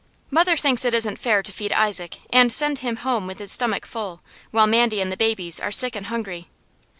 Mother thinks it isn't fair to feed Isaac and send him home with his stomach full, while Mandy and the babies are sick and hungry.